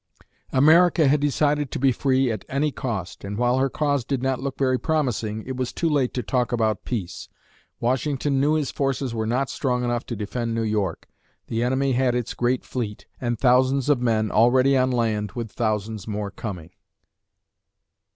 America had decided to be free at any cost, and while her cause did not look very promising, it was too late to talk about peace. Washington knew his forces were not strong enough to defend New York. The enemy had its great fleet, and thousands of men already on land with thousands more coming.